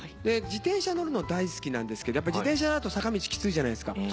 自転車乗るの大好きなんですけど自転車だと坂道きついじゃないですか。